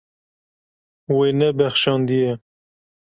Wê nebexşandiye.